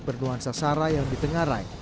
berdoa sesara yang ditengarai